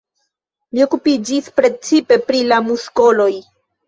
Li okupiĝis precipe pri la muskoloj.